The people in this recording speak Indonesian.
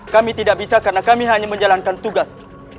kami tidak bisa karena kami hanya menjalankan tugas